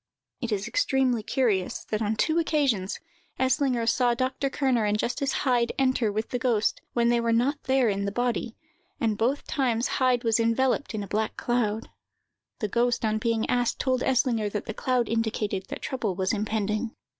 It is extremely curious that, on two occasions, Eslinger saw Dr. Kerner and Justice Heyd enter with the ghost, when they were not there in the body, and both times Heyd was enveloped in a black cloud. The ghost, on being asked, told Eslinger that the cloud indicated that trouble was impending.